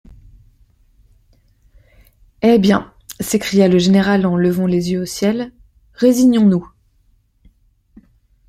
Eh! bien, s’écria le général en levant les yeux au ciel, résignons-nous.